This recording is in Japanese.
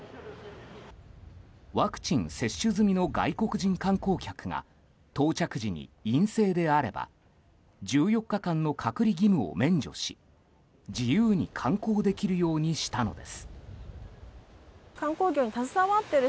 ワクチン接種済みの外国人観光客が到着時に陰性であれば１４日間の隔離義務を免除し自由に観光できるようにしたのです。